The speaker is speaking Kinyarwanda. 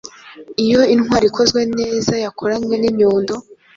Iyo intwaro ikozwe nezayakoranye ninyundo